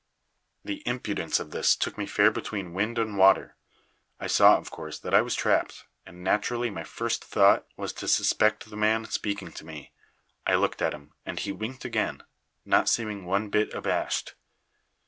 "The impudence of this took me fair between wind and water. I saw, of course, that I was trapped, and naturally my first thought was to suspect the man speaking to me. I looked at him, and he winked again, not seeming one bit abashed.